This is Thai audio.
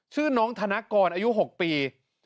ชื่อน้องธนกรอายุ๖ปี